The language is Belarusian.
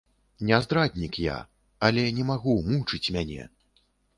Не здраднік я, але не магу, мучыць мяне.